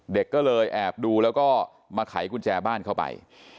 เด็กก็เลยแอบดูแล้วก็มาไขกุญแจบ้านเข้าไป